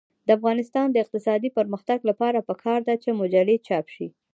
د افغانستان د اقتصادي پرمختګ لپاره پکار ده چې مجلې چاپ شي.